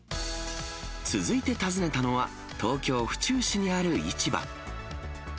続いて訪ねたのは、東京・府中市にある市場。